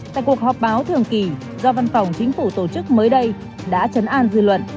tại cuộc họp báo thường kỳ do văn phòng chính phủ tổ chức mới đây đã chấn an dư luận